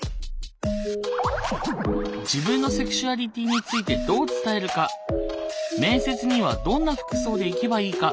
自分のセクシュアリティーについてどう伝えるか面接にはどんな服装で行けばいいか